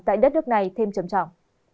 tại đất nước này thêm trầm trọng